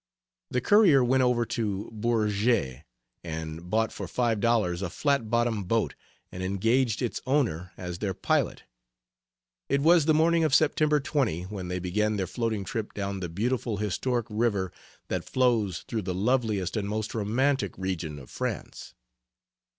The courier went over to Bourget and bought for five dollars a flat bottomed boat and engaged its owner as their pilot. It was the morning of September 20, when they began their floating trip down the beautiful historic river that flows through the loveliest and most romantic region of France.